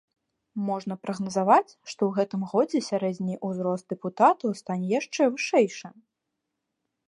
Можна прагназаваць, што ў гэтым годзе сярэдні ўзрост дэпутатаў стане яшчэ вышэйшы.